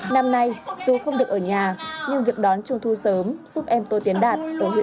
năm nay dù không được ở nhà nhưng việc đón trung thu sớm giúp em tôi tiến đạt ở huyện phố lương tỉnh thái nguyên